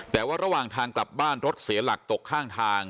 แต่ว่าระหว่างทางกลับบ้านรถเสียหลักตกข้างทาง